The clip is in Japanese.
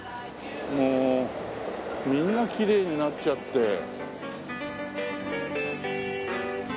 もうみんなきれいになっちゃって。